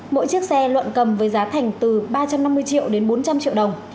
mỗi chiếc xe luận cầm với giá thành từ ba trăm năm mươi triệu đến bốn trăm linh triệu đồng